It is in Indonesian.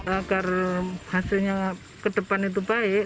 agar hasilnya ke depan itu baik